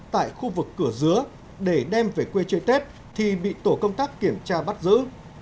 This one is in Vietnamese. tại khu vực cửa dứa để đem về quê chơi tết thì bị tổ công tác kiểm tra bắt giữ